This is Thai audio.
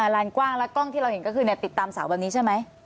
ลานกว้างแล้วกล้องที่เราเห็นก็คือติดตามเสาแบบนี้ใช่ไหม